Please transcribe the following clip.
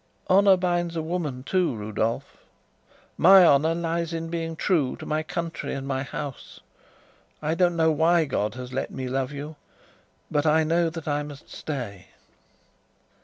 "Honour binds a woman too, Rudolf. My honour lies in being true to my country and my House. I don't know why God has let me love you; but I know that I must stay."